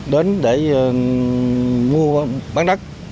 đến để mua bán đất